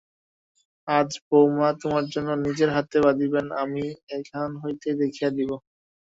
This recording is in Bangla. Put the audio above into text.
আজ বউমা তোমার জন্য নিজের হাতে রাঁধিবেন, আমি এখান হইতে দেখাইয়া দিব।